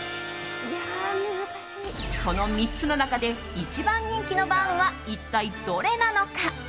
この３つの中で一番人気のバウムは一体、どれなのか。